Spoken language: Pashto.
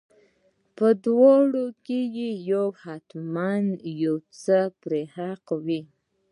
په دواړو کې به یو حتما یو څه پر حق وي.